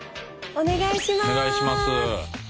お願いします。